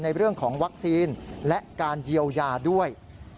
ในเรื่องของวัคซีนและการเยียวยาด้วย